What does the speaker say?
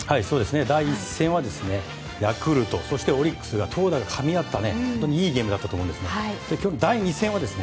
第１戦はヤクルトそしてオリックスが投打でかみ合ったいいゲームだったと思います。